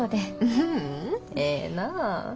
ううんええなぁ。